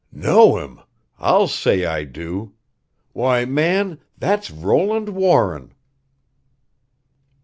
"Know him? I'll say I do. Why, man, that's Roland Warren!"